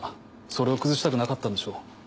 それを崩したくなかったんでしょう。